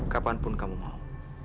kapan pun kamu mau